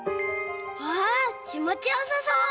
わあきもちよさそう！